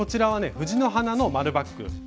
藤の花の丸バッグ。